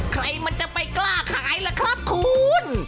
ใครมันจะไปกล้าขายล่ะครับคุณ